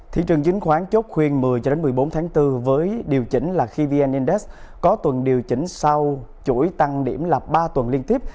thị trường chính khoán chốt khuyên một mươi một mươi bốn tháng bốn với điều chỉnh là khi vn index có tuần điều chỉnh sau chuỗi tăng điểm là ba tuần liên tiếp